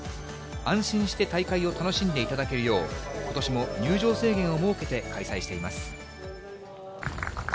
安心して大会を楽しんでいただけるよう、ことしも入場制限を設けて開催しています。